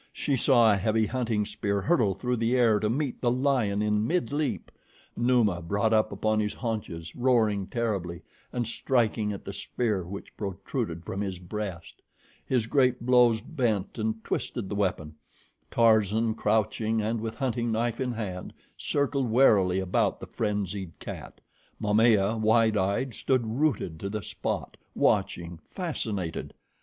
She saw a heavy hunting spear hurtle through the air to meet the lion in midleap. Numa brought up upon his haunches, roaring terribly and striking at the spear which protruded from his breast. His great blows bent and twisted the weapon. Tarzan, crouching and with hunting knife in hand, circled warily about the frenzied cat. Momaya, wide eyed, stood rooted to the spot, watching, fascinated.